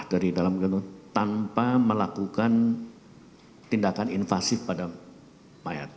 dari dalam gedung tanpa melakukan tindakan invasif pada mayat